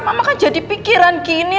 mama kan jadi pikiran gini